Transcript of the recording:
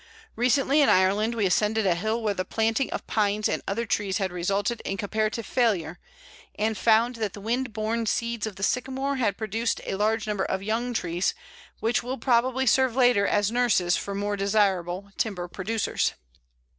Recently in Ireland we ascended a hill where the planting of pines and other trees had resulted in comparative failure, and found that the wind borne seeds of the Sycamore had produced a large number of young trees, which will probably serve later as nurses for more desirable timber producers.